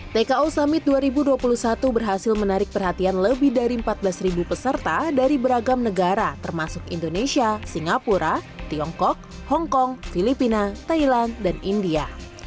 tko summit dua ribu dua puluh satu berhasil menarik perhatian lebih dari empat belas peserta dari beragam negara termasuk indonesia singapura tiongkok hongkong filipina thailand dan india